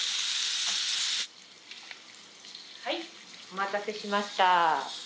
お待たせしました。